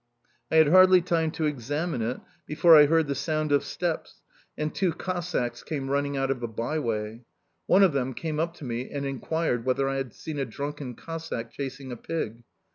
I had hardly time to examine it before I heard the sound of steps, and two Cossacks came running out of a byway. One of them came up to me and enquired whether I had seen a drunken Cossack chasing a pig.